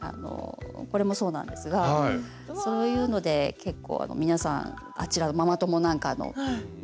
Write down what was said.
これもそうなんですがそういうので結構皆さんあちらのママ友なんかに気に入って頂いてはい。